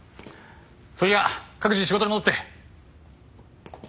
それじゃあ各自仕事に戻って。